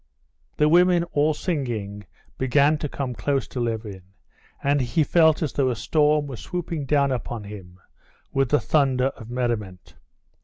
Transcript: The women, all singing, began to come close to Levin, and he felt as though a storm were swooping down upon him with a thunder of merriment.